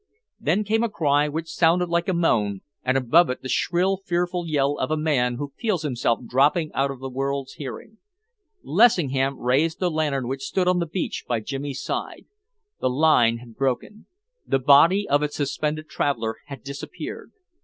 Then came a cry which sounded like a moan and above it the shrill fearful yell of a man who feels himself dropping out of the world's hearing. Lessingham raised the lantern which stood on the beach by Jimmy's side. The line had broken. The body of its suspended traveller had disappeared!